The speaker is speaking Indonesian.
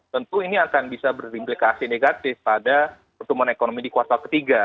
tentu ini akan bisa berimplikasi negatif pada pertumbuhan ekonomi di kuartal ketiga